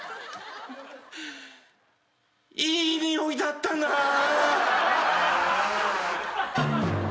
いいにおいだったなぁ。